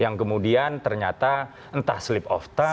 yang kemudian ternyata entah slip of tongue